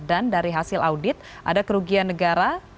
dan dari hasil audit ada kerugian negara